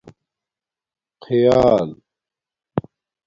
خیال